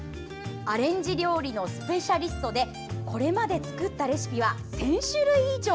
アレンジ料理のスペシャリストでこれまで作ったレシピは１０００種類以上。